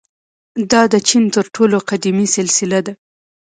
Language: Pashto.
• دا د چین تر ټولو قدیمي سلسله ده.